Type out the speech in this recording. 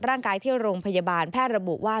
ร่างกายที่โรงพยาบาลแพทย์ระบุว่า